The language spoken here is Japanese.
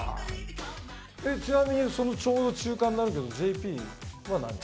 ちなみにちょうど中間になるけどＪＰは何？